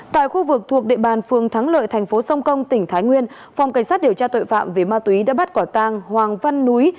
tại khu vực thuộc địa bàn phường thắng lợi thành phố sông công tỉnh thái nguyên phòng cảnh sát điều tra tội phạm về ma túy đã bắt quả tang hoàng văn núi